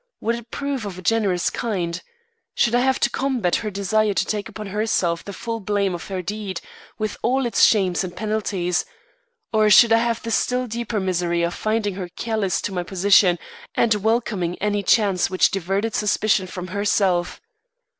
Would it prove of a generous kind? Should I have to combat her desire to take upon herself the full blame of her deed, with all its shames and penalties? Or should I have the still deeper misery of finding her callous to my position and welcoming any chance which diverted suspicion from herself?